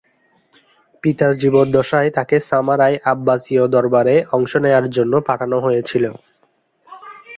পিতার জীবদ্দশায় তাকে সামারায় আব্বাসীয় দরবারে অংশ নেয়ার জন্য পাঠানো হয়েছিল।